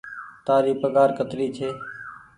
تآري پگهآر ڪتري ڇي۔